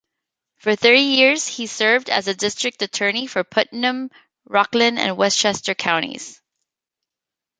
For thirty years he served as district attorney for Putnam, Rockland, and Westchester Counties.